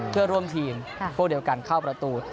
เพื่อร่วมทีมพวกเดียวกันเข้าประตู